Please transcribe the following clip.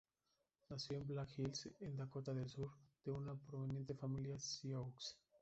Nació en Black Hills en Dakota del Sur, de una prominente familia sioux.